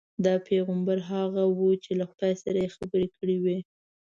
دا پیغمبر هغه وو چې له خدای سره یې خبرې کړې وې.